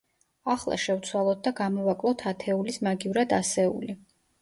ახლა შევცვალოთ და გამოვაკლოთ ათეულის მაგივრად ასეული.